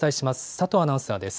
佐藤アナウンサーです。